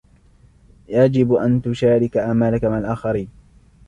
يجب أن تشارك أعمالك مع الآخرين.